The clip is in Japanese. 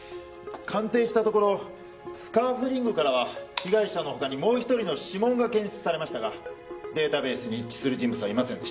鑑定したところスカーフリングからは被害者のほかにもう１人の指紋が検出されましたがデータベースに一致する人物はいませんでした。